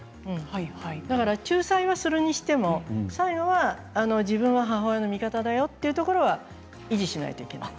仲裁はするにしても最後は自分は母親の味方だよというところは維持しないといけない。